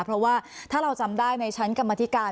เพราะว่าถ้าเราจำได้ในชั้นกรรมธิการ